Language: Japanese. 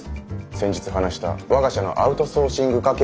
先日話した我が社のアウトソーシング化計画について。